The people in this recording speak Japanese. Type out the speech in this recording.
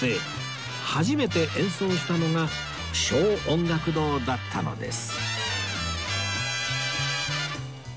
初めて演奏したのが小音楽堂だったのです